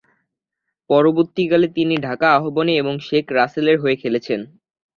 পরবর্তীকালে, তিনি ঢাকা আবাহনী এবং শেখ রাসেলের হয়ে খেলেছেন।